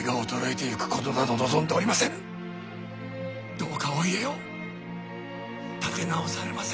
どうかお家を立て直されませ！